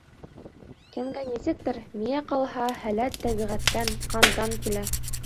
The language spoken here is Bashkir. Кемгә нисектер, миңә ҡалһа, һәләт тәбиғәттән, ҡандан килә.